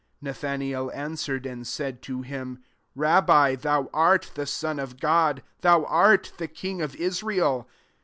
49 Nathanael answered, and said to him, <' RablM, thou art the Son of God ; thou art the king of Israel."